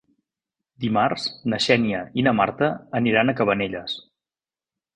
Dimarts na Xènia i na Marta aniran a Cabanelles.